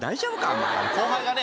お前後輩がね